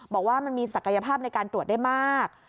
บอกว่ามันมีศักยภาพในการตรวจได้มาก